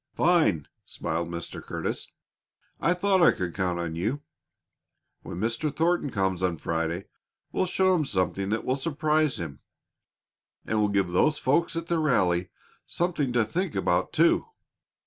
"Fine!" smiled Mr. Curtis. "I thought I could count on you. When Mr. Thornton comes on Friday we'll show him something that will surprise him. And we'll give those folks at the rally something to think about, too."